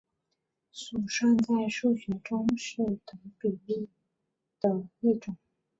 鼠算在数学中是等比数列的一种。